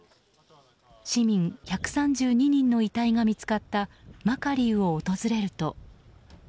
市民１３２人の遺体が見つかったマカリウを訪れると。